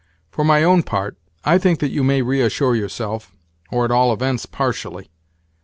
For, my own part, I think that you may reassure yourself—or at all events partially.